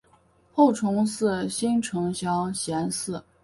后崇祀新城乡贤祠。